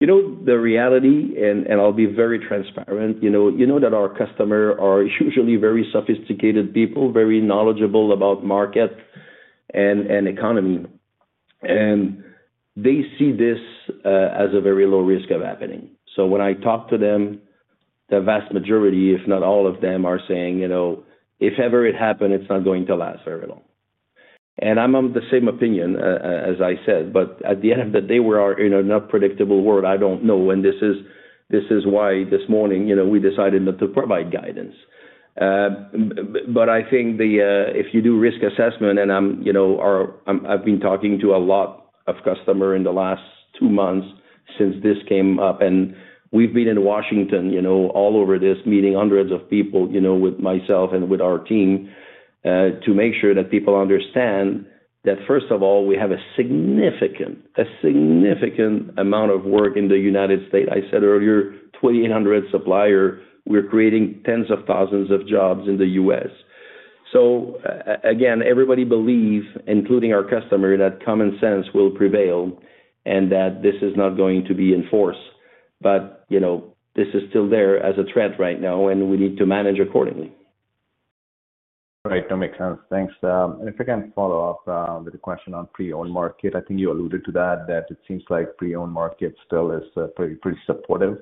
The reality, and I'll be very transparent, you know that our customers are usually very sophisticated people, very knowledgeable about market and economy. And they see this as a very low risk of happening. So, when I talk to them, the vast majority, if not all of them, are saying, "If ever it happens, it's not going to last very long." And I'm of the same opinion, as I said. But at the end of the day, we're in an unpredictable world. I don't know. And this is why this morning we decided not to provide guidance. But I think if you do risk assessment, and I've been talking to a lot of customers in the last two months since this came up. And we've been in Washington, all over this, meeting hundreds of people with myself and with our team to make sure that people understand that, first of all, we have a significant amount of work in the United States. I said earlier, 2,800 suppliers. We're creating tens of thousands of jobs in the U.S. So, again, everybody believes, including our customers, that common sense will prevail and that this is not going to be enforced. But this is still there as a threat right now, and we need to manage accordingly. Right. That makes sense. Thanks, and if I can follow up with a question on pre-owned market, I think you alluded to that, that it seems like pre-owned market still is pretty supportive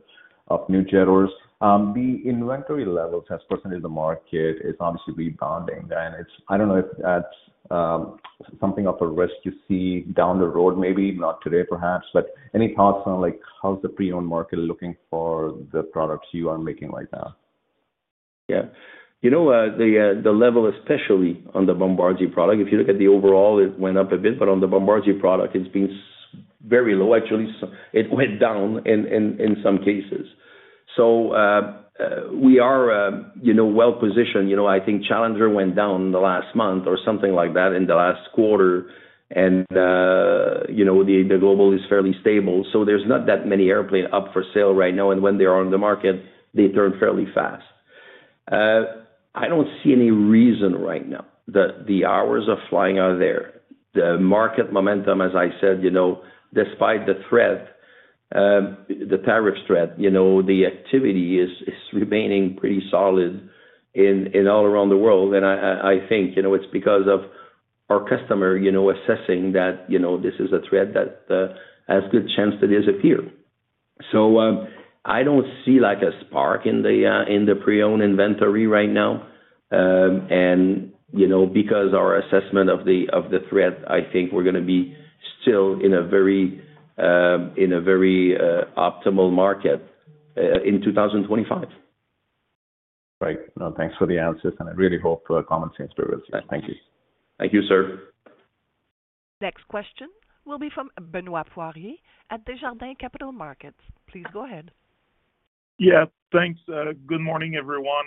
of new generations. The inventory levels, as percentage of the market, is obviously rebounding, and I don't know if that's something of a risk you see down the road, maybe not today, perhaps, but any thoughts on how's the pre-owned market looking for the products you are making right now? Yeah. The level, especially on the Bombardier product, if you look at the overall, it went up a bit. But on the Bombardier product, it's been very low. Actually, it went down in some cases. So, we are well positioned. I think Challenger went down the last month or something like that in the last quarter. And the Global is fairly stable. So, there's not that many airplanes up for sale right now. And when they are on the market, they turn fairly fast. I don't see any reason right now that the hours of flying are there. The market momentum, as I said, despite the threat, the tariffs threat, the activity is remaining pretty solid all around the world. And I think it's because of our customer assessing that this is a threat that has a good chance to disappear. So, I don't see a spark in the pre-owned inventory right now. And because of our assessment of the threat, I think we're going to be still in a very optimal market in 2025. Great. Thanks for the answers. And I really hope common sense prevails. Thank you. Thank you, sir. Next question will be from Benoit Poirier at Desjardins Capital Markets. Please go ahead. Yeah. Thanks. Good morning, everyone.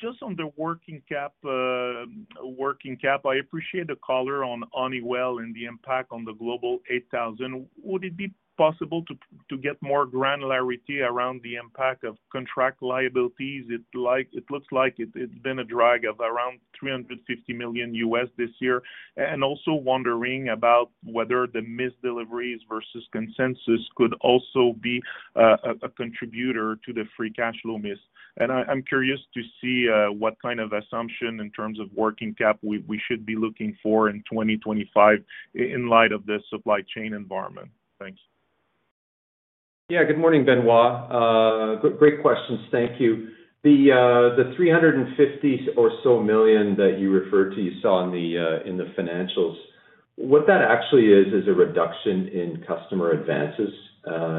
Just on the working cap, I appreciate the color on Honeywell and the impact on the Global 8000. Would it be possible to get more granularity around the impact of contract liabilities? It looks like it's been a drag of around $350 million this year. And also wondering about whether the missed deliveries versus consensus could also be a contributor to the free cash flow miss. And I'm curious to see what kind of assumption in terms of working cap we should be looking for in 2025 in light of the supply chain environment. Thanks. Yeah. Good morning, Benoit. Great questions. Thank you. The $350 million or so that you referred to, you saw in the financials, what that actually is, is a reduction in customer advances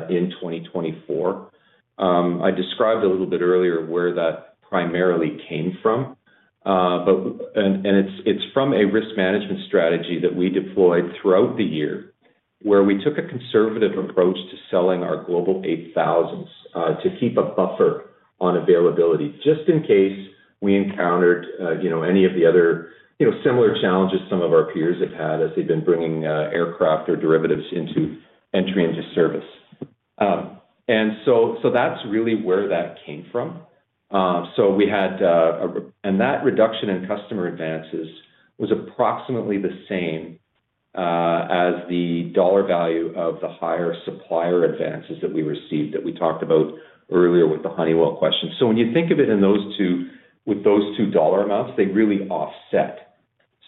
in 2024. I described a little bit earlier where that primarily came from. And it's from a risk management strategy that we deployed throughout the year where we took a conservative approach to selling our Global 8000s to keep a buffer on availability just in case we encountered any of the other similar challenges some of our peers have had as they've been bringing aircraft or derivatives into entry into service. And so that's really where that came from. So, we had a reduction in customer advances was approximately the same as the dollar value of the higher supplier advances that we received that we talked about earlier with the Honeywell question. So, when you think of it in those two dollar amounts, they really offset.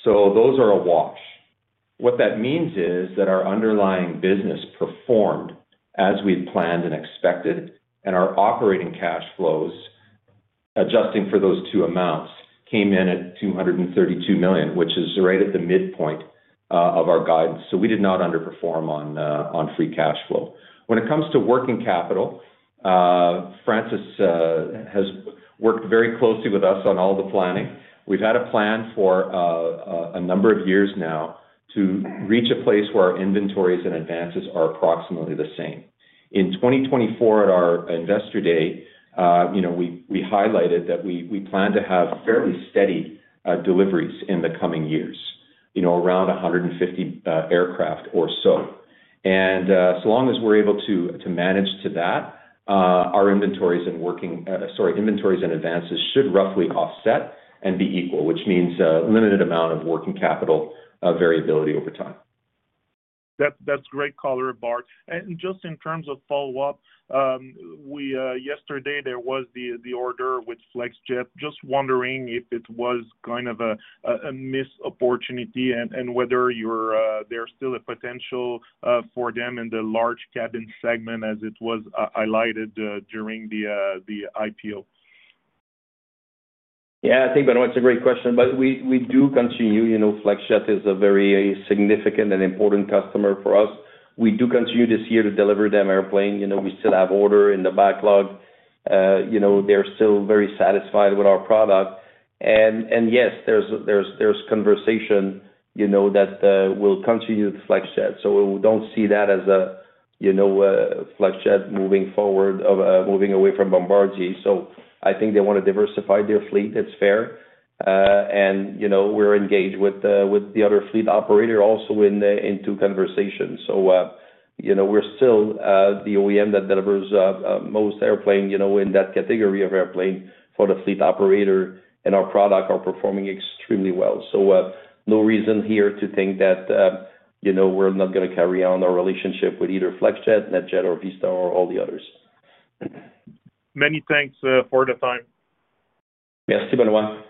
So, those are a wash. What that means is that our underlying business performed as we had planned and expected, and our operating cash flows adjusting for those two amounts came in at $232 million, which is right at the midpoint of our guidance. So, we did not underperform on free cash flow. When it comes to working capital, Francis has worked very closely with us on all the planning. We've had a plan for a number of years now to reach a place where our inventories and advances are approximately the same. In 2024, at our investor day, we highlighted that we plan to have fairly steady deliveries in the coming years, around 150 aircraft or so. And so long as we're able to manage to that, our inventories and working, sorry, inventories and advances should roughly offset and be equal, which means a limited amount of working capital variability over time. That's great color, Bart. And just in terms of follow-up, yesterday, there was the order with Flexjet. Just wondering if it was kind of a missed opportunity and whether there's still a potential for them in the large cabin segment as it was highlighted during the IPO? Yeah. I think, Benoit, it's a great question, but we do continue. Flexjet is a very significant and important customer for us. We do continue this year to deliver them airplane. We still have order in the backlog. They're still very satisfied with our product. And yes, there's conversation that will continue with Flexjet. So, we don't see that as Flexjet moving forward, moving away from Bombardier. So, I think they want to diversify their fleet. It's fair, and we're engaged with the other fleet operator also into conversation. So, we're still the OEM that delivers most airplane in that category of airplane for the fleet operator. And our product is performing extremely well. So, no reason here to think that we're not going to carry on our relationship with either Flexjet, NetJets, or Vista, or all the others. Many thanks for the time. Yes. To Benoit.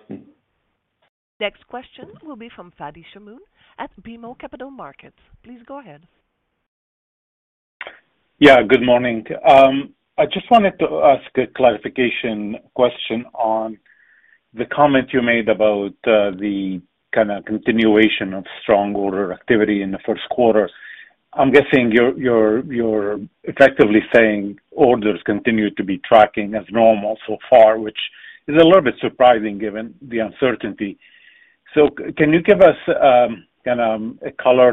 Next question will be from Fadi Chamoun at BMO Capital Markets. Please go ahead. Yeah. Good morning. I just wanted to ask a clarification question on the comment you made about the kind of continuation of strong order activity in the first quarter. I'm guessing you're effectively saying orders continue to be tracking as normal so far, which is a little bit surprising given the uncertainty. So, can you give us kind of a color?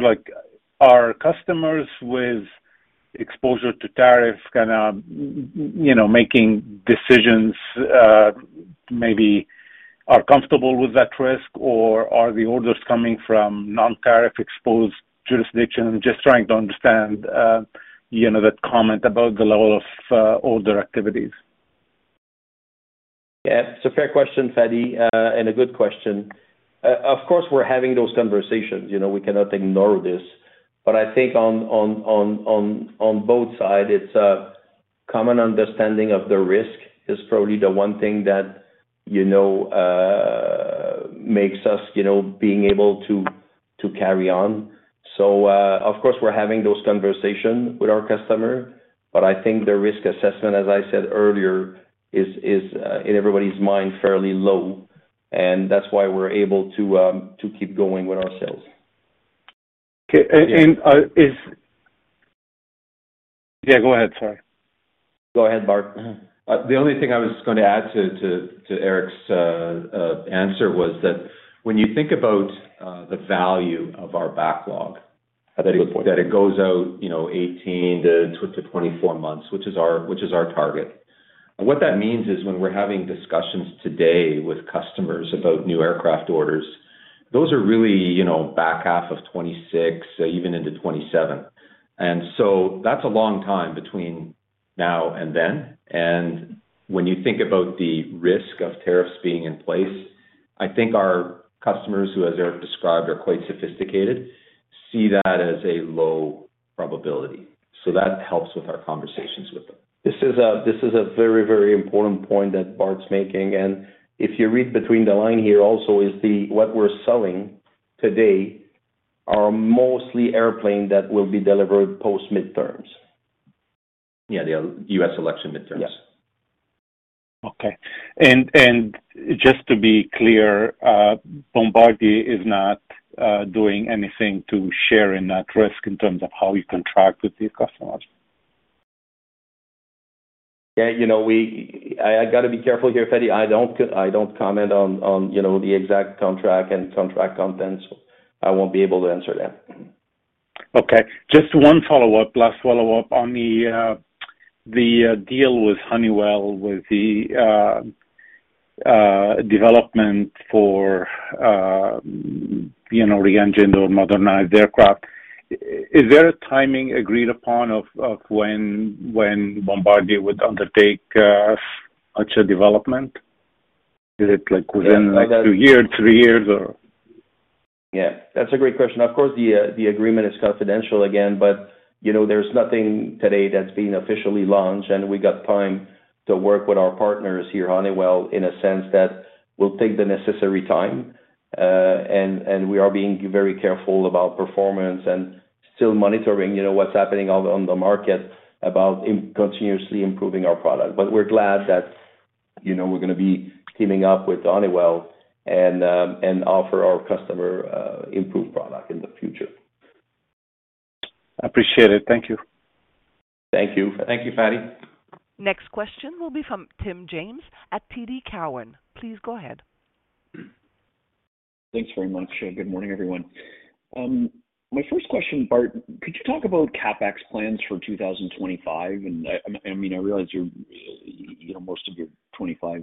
Are customers with exposure to tariff kind of making decisions maybe are comfortable with that risk, or are the orders coming from non-tariff exposed jurisdiction? I'm just trying to understand that comment about the level of order activities. Yeah. It's a fair question, Fadi, and a good question. Of course, we're having those conversations. We cannot ignore this. But I think on both sides, it's a common understanding of the risk is probably the one thing that makes us being able to carry on. So, of course, we're having those conversations with our customers. But I think the risk assessment, as I said earlier, is in everybody's mind fairly low. And that's why we're able to keep going with our sales. Okay. And is yeah, go ahead. Sorry. Go ahead, Bart. The only thing I was going to add to Éric's answer was that when you think about the value of our backlog. That's a good point. That it goes out 18 to 24 months, which is our target. What that means is when we're having discussions today with customers about new aircraft orders, those are really back half of 2026, even into 2027. And so that's a long time between now and then. And when you think about the risk of tariffs being in place, I think our customers, who as Éric described, are quite sophisticated, see that as a low probability. So that helps with our conversations with them. This is a very, very important point that Bart's making, and if you read between the lines here, also is the what we're selling today are mostly airplanes that will be delivered post midterms. Yeah. The U.S. election midterms. Yes. Okay. And just to be clear, Bombardier is not doing anything to share in that risk in terms of how you contract with these customers? Yeah. I got to be careful here, Fadi. I don't comment on the exact contract and contract contents. I won't be able to answer that. Okay. Just one follow-up, last follow-up on the deal with Honeywell with the development for re-engined or modernized aircraft. Is there a timing agreed upon of when Bombardier would undertake such a development? Is it within two years, three years, or? Yeah. That's a great question. Of course, the agreement is confidential again, but there's nothing today that's being officially launched, and we got time to work with our partners here, Honeywell, in a sense that we'll take the necessary time, and we are being very careful about performance and still monitoring what's happening on the market about continuously improving our product, but we're glad that we're going to be teaming up with Honeywell and offer our customer improved product in the future. Appreciate it. Thank you. Thank you. Thank you, Fadi. Next question will be from Tim James at TD Cowen. Please go ahead. Thanks very much. Good morning, everyone. My first question, Bart, could you talk about CapEx plans for 2025? And I mean, I realize most of your '25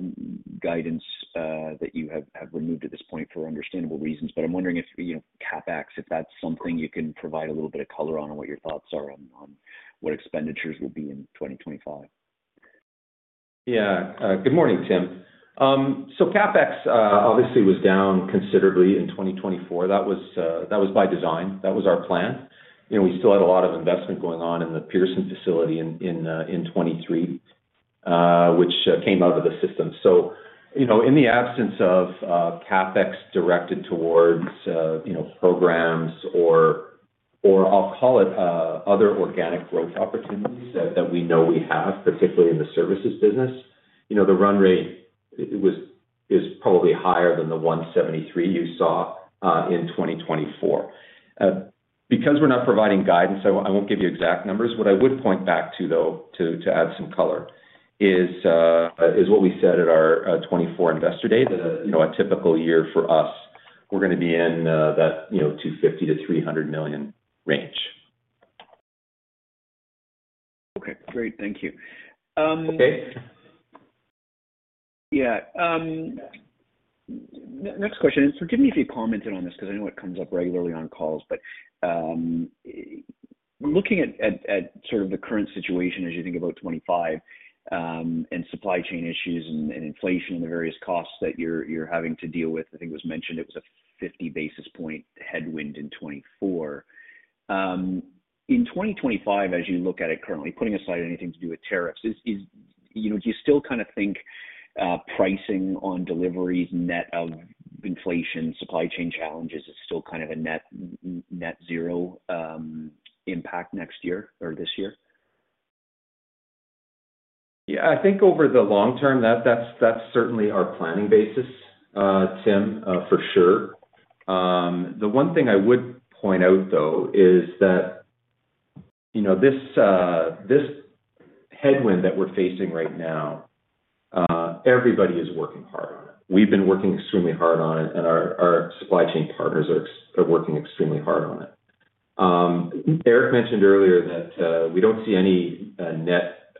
guidance that you have removed at this point for understandable reasons. But I'm wondering if CapEx, if that's something you can provide a little bit of color on and what your thoughts are on what expenditures will be in 2025? Yeah. Good morning, Tim. So CapEx obviously was down considerably in 2024. That was by design. That was our plan. We still had a lot of investment going on in the Pearson facility in 2023, which came out of the system. So in the absence of CapEx directed towards programs or I'll call it other organic growth opportunities that we know we have, particularly in the services business, the run rate is probably higher than the $173 million you saw in 2024. Because we're not providing guidance, I won't give you exact numbers. What I would point back to, though, to add some color is what we said at our 2024 investor day, that a typical year for us, we're going to be in that $250-$300 million range. Okay. Great. Thank you. Okay. Yeah. Next question. So Jimmy's commented on this because I know it comes up regularly on calls. But looking at sort of the current situation as you think about 2025 and supply chain issues and inflation and the various costs that you're having to deal with, I think it was mentioned it was a 50 basis points headwind in 2024. In 2025, as you look at it currently, putting aside anything to do with tariffs, do you still kind of think pricing on deliveries net of inflation, supply chain challenges is still kind of a net zero impact next year or this year? Yeah. I think over the long term, that's certainly our planning basis, Tim, for sure. The one thing I would point out, though, is that this headwind that we're facing right now, everybody is working hard on it. We've been working extremely hard on it, and our supply chain partners are working extremely hard on it. Eric mentioned earlier that we don't see any net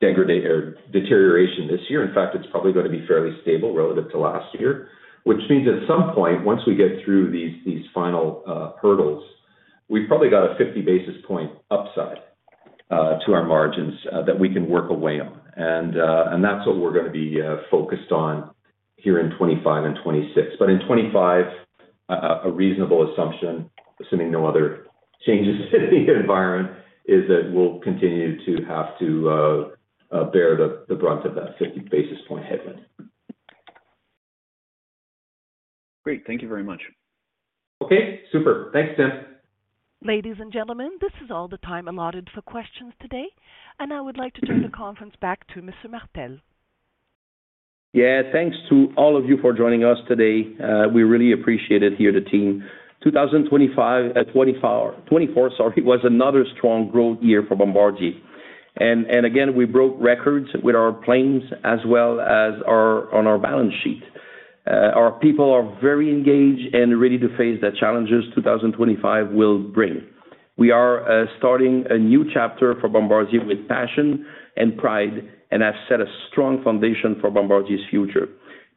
deterioration this year. In fact, it's probably going to be fairly stable relative to last year, which means at some point, once we get through these final hurdles, we've probably got a 50 basis points upside to our margins that we can work away on. That's what we're going to be focused on here in 2025 and 2026. But in 2025, a reasonable assumption, assuming no other changes in the environment, is that we'll continue to have to bear the brunt of that 50 basis points headwind. Great. Thank you very much. Okay. Super. Thanks, Tim. Ladies and gentlemen, this is all the time allotted for questions today. And I would like to turn the conference back to Mr. Martel. Yeah. Thanks to all of you for joining us today. We really appreciate it here, the team. 2024, sorry, was another strong growth year for Bombardier. And again, we broke records with our planes as well as on our balance sheet. Our people are very engaged and ready to face the challenges 2025 will bring. We are starting a new chapter for Bombardier with passion and pride and have set a strong foundation for Bombardier's future.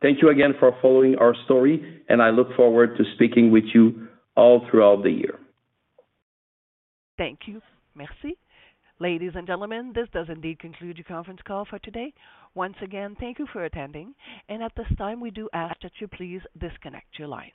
Thank you again for following our story, and I look forward to speaking with you all throughout the year. Thank you. Merci. Ladies and gentlemen, this does indeed conclude your conference call for today. Once again, thank you for attending, and at this time, we do ask that you please disconnect your lines.